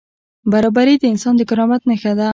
برابري د انسان د کرامت نښه ده.